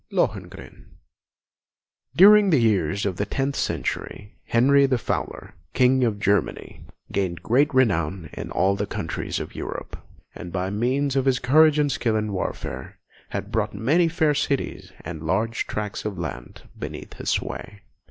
LOHENGRIN During the early years of the tenth century, Henry the Fowler, King of Germany, gained great renown in all the countries of Europe, and by means of his courage and skill in warfare, had brought many fair cities and large tracts of land beneath his sway.